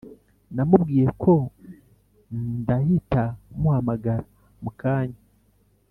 namubwiye ko ndahita muhamagara mukanya